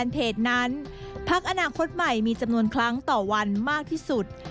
ภาคอนาคตใหม่มีจำนวนครั้งต่อวันมากที่สุด